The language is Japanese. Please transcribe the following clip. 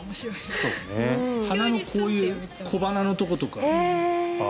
たまにこういう小鼻のところとか。